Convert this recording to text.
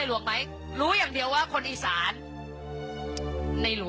ขอบคุณครับ